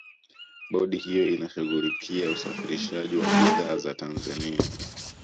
bodi hiyo inashughulikia usafirishaji wa bidhaa za tanzania